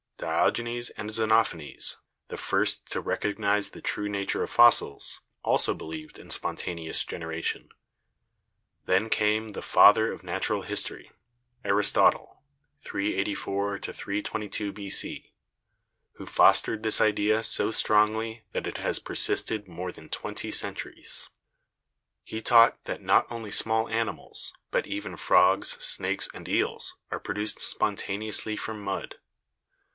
Diogenes and Xenophanes, the first to recognise the true nature of fossils, also believed in spontaneous generation. Then came the "father of natural history," Aristotle (384 322 b.c), who fostered this idea so strongly that it has per sisted for more than twenty centuries. He taught that not only small animals, but even frogs, snakes and eels are produced spontaneously from mud.